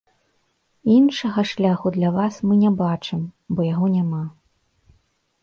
Іншага шляху для вас мы не бачым, бо яго няма.